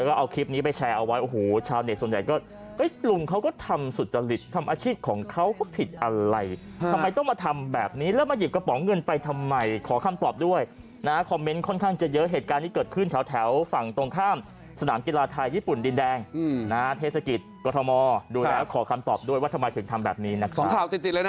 ก็เอาคลิปนี้ไปแชร์เอาไว้โอ้โหชาวเน็ตส่วนใหญ่ก็กลุ่มเขาก็ทำสุจริตทำอาชีพของเขาก็ผิดอะไรทำไมต้องมาทำแบบนี้แล้วมาหยิบกระป๋องเงินไปทำไมขอคำตอบด้วยนะคอมเมนต์ค่อนข้างจะเยอะเหตุการณ์นี้เกิดขึ้นแถวฝั่งตรงข้ามสนามกีฬาไทยญี่ปุ่นดินแดงนะฮะเทศกิจกรทมดูแล้วขอคำตอบด้วยว่าทำไมถึงทำแบบนี้นะครับ